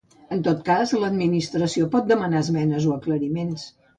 En tot cas, l'Administració pot demanar esmenes o aclariments.